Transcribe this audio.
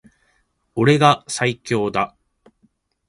俺が最強だ